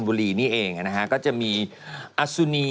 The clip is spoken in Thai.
พระพุทธรูปสูงเก้าชั้นหมายความว่าสูงเก้าชั้น